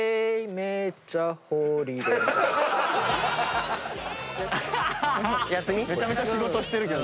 めちゃめちゃ仕事してる。